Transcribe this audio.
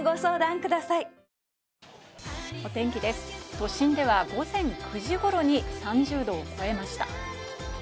都心では午前９時頃に３０度を超えました。